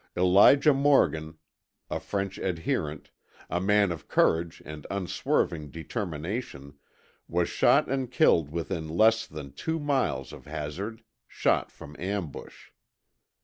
Elijah Morgan, a French adherent, a man of courage and unswerving determination, was shot and killed within less than two miles of Hazard shot from ambush.